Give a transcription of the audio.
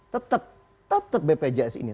tetap tetap bpjs ini